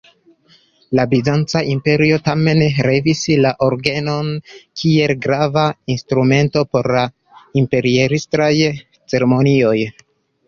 La bizanca imperio tamen levis la orgenon kiel grava instrumento por la imperiestraj ceremonioj.